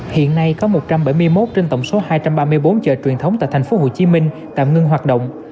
hiện nay có một trăm bảy mươi một trên tổng số hai trăm ba mươi bốn chợ truyền thống tại tp hcm tạm ngưng hoạt động